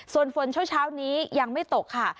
ส่วนฝนเช้านี้ยังไม่ตกค่ะ